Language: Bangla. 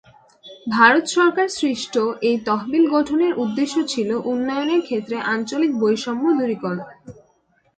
ভারত সরকার সৃষ্ট এই তহবিল গঠনের উদ্দেশ্য ছিল উন্নয়নের ক্ষেত্রে আঞ্চলিক বৈষম্য দূরীকরণ।